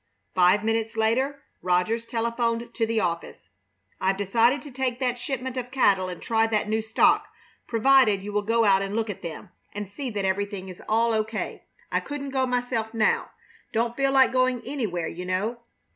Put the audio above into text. Five minutes later Rogers telephoned to the office. "I've decided to take that shipment of cattle and try that new stock, provided you will go out and look at them and see that everything is all O. K. I couldn't go myself now. Don't feel like going anywhere, you know.